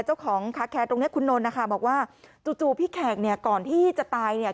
เจ้าของคาแคร์ตรงนี้คุณนนท์นะคะบอกว่าจู่จู่พี่แขกเนี่ยก่อนที่จะตายเนี่ย